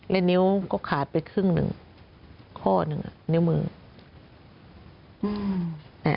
และนิ้วก็ขาดไปครึ่งหนึ่งข้อหนึ่งนิ้วมือ